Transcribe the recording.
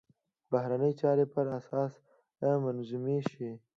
بهرنۍ چارې پر اساس منظمې شي.